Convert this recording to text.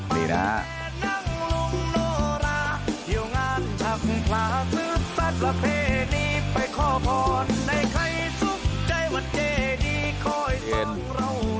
นี่นะฮะ